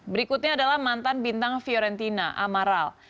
berikutnya adalah mantan bintang fiorentina amaral